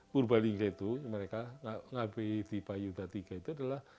purbalingga itu mereka ngabei di bayudha iii itu adalah